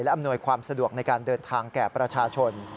อำนวยความสะดวกในการเดินทางแก่ประชาชน